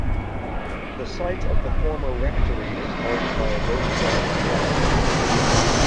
The site of the former rectory is marked by a roadside plaque.